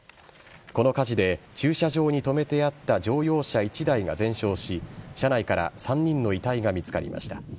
この火事で駐車場に止めてあった乗用車１台が全焼し車内から３人の遺体が見つかりました。